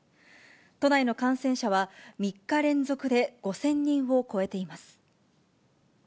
都内の感染者は、３日連続で５０００人を超えています。